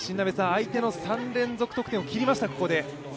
相手の３連続得点を切りました。